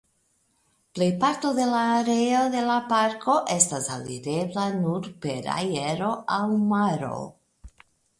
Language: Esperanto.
Plejparto de la areo de la parko estas alirebla nur per aero aŭ maro.